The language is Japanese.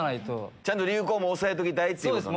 ちゃんと流行も押さえておきたいっていうことね。